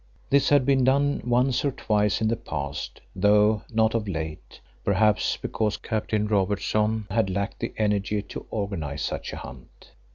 This had been done once or twice in the past, though not of late, perhaps because Captain Robertson had lacked the energy to organise such a hunt.